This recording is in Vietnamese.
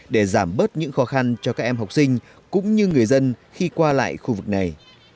để giảm bớt những khó khăn cho các em học sinh cũng như người dân khi qua lại khu vực này